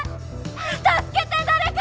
助けて誰か！